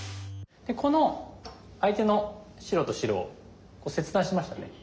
この相手の白と白切断しましたね。